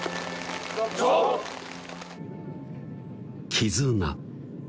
「絆」